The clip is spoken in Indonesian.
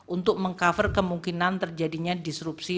untuk meng cover kemungkinan terjadinya disrupsi